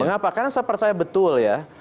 mengapa karena saya percaya betul ya